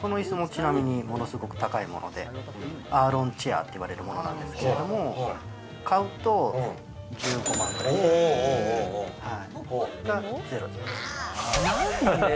この椅子もちなみにものすごく高いもので、アーロンチェアっていわれるものなんですけど、買うと１５万くらい。